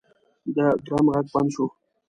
د ډرم غږ بند شو.